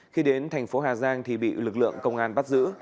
khi đến thành phố hà giang thì bị lực lượng công an bắt giữ